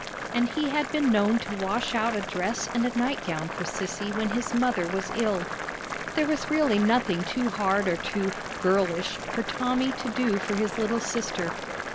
And he had been known to wash out a dress and a nightgown for Sissy when his mother was ill. There was really nothing too hard or too "girlish" for Tommy to do for his little sister.